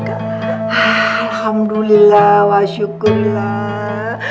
alhamdulillah wa syukurlah